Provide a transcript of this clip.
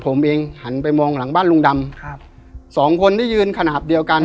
ผมเองหันไปมองหลังบ้านลุงดำครับสองคนที่ยืนขนาดเดียวกัน